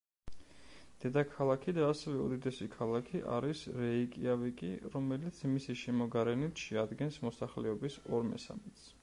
დედაქალაქი და ასევე უდიდესი ქალაქი არის რეიკიავიკი, რომელიც მისი შემოგარენით შეადგენს მოსახლეობის ორ მესამედს.